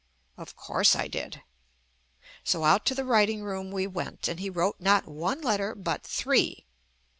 Of course I did. So out to the writing room we went, and he wrote not one letter but three.